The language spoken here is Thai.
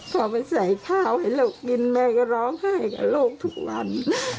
พอไปใส่ข้าวให้ลูกกินแม่ก็ร้องไห้กับลูกทุกวัน